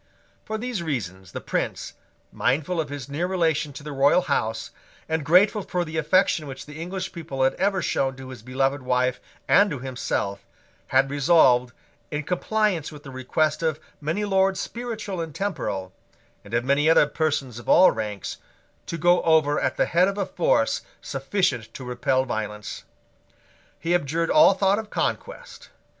For these reasons the Prince, mindful of his near relation to the royal house, and grateful for the affection which the English people had ever shown to his beloved wife and to himself, had resolved, in compliance with the request of many Lords Spiritual and Temporal, and of many other persons of all ranks, to go over at the head of a force sufficient to repel violence. He abjured all thought of conquest.